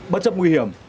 bất chấp nguy hiểm